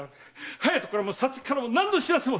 隼人からも皐月からも何の報せも！